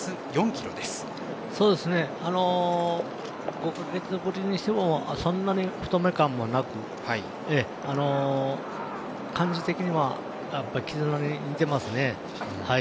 ５か月ぶりにしてもそんなに太め感もなく感じ的には、キズナに似てますね。